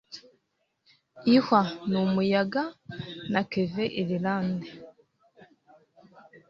ihwa n'umuyaga. na kevin irilande